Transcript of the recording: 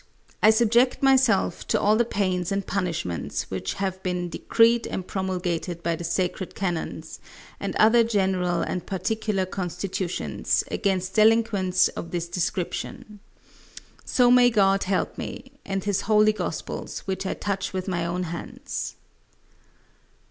I subject myself to all the pains and punishments which have been decreed and promulgated by the sacred canons, and other general and particular constitutions, against delinquents of this description. So may God help me, and his Holy Gospels which I touch with my own hands.